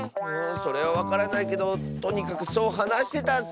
それはわからないけどとにかくそうはなしてたッス。